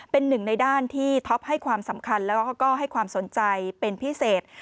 เป็นหนึ่งในด้านที่ท็อปให้ความสำคัญแล้วก็ให้ความสนใจเป็นพิเศษ